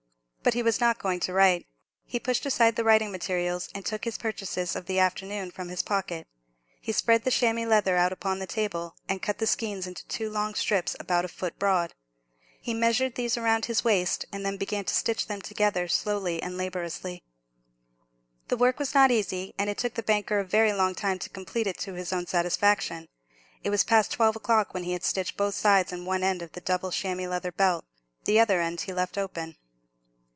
But he was not going to write; he pushed aside the writing materials, and took his purchases of the afternoon from his pocket. He spread the chamois leather out upon the table, and cut the skins into two long strips, about a foot broad. He measured these round his waist, and then began to stitch them together, slowly and laboriously. The work was not easy, and it took the banker a very long time to complete it to his own satisfaction. It was past twelve o'clock when he had stitched both sides and one end of the double chamois leather belt; the other end he left open.